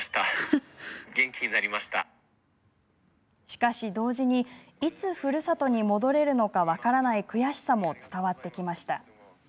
しかし同時に、いつふるさとに戻れるのか分からない悔しさも伝わってきました。